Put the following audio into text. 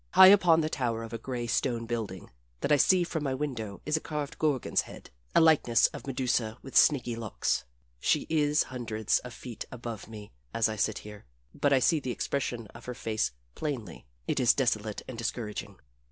High upon the tower of a gray stone building that I see from my window is a carved gorgon's head, a likeness of Medusa with snaky locks. She is hundreds of feet above me as I sit here, but I see the expression of her face plainly it is desolate and discouraging.